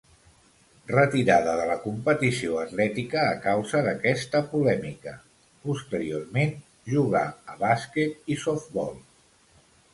Retirada de la competició atlètica a causa d'aquesta polèmica, posteriorment jugà a bàsquet i softbol.